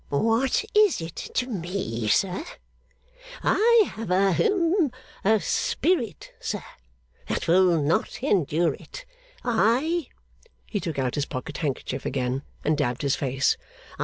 'What is it to me, sir? I have a hum a spirit, sir, that will not endure it. I,' he took out his pocket handkerchief again and dabbed his face.